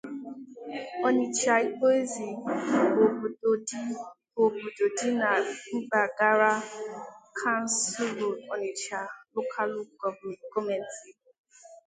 Onicha-Igboeze bu obodo di na Mpaghara Kansulu Onicha Lokalu Gọọmenti.